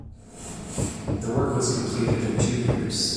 The work was completed in two years.